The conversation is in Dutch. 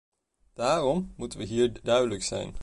Daarom moeten we hier duidelijk zijn.